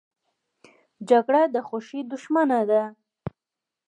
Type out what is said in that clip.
جګړه د خوښۍ دښمنه ده